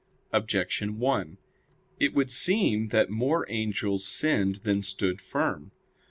Objection 1: It would seem that more angels sinned than stood firm.